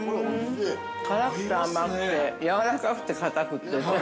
辛くて甘くて、やわらかくて、かたくて。